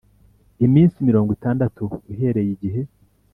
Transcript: iminsi mirongo itandatu uhereye igihe